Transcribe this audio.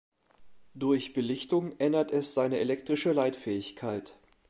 Durch Belichtung ändert es seine elektrische Leitfähigkeit.